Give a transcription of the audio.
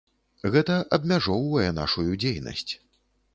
Гэта абмяжоўвае нашую дзейнасць.